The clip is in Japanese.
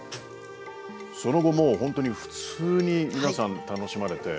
その後もうほんとに普通に皆さん楽しまれて。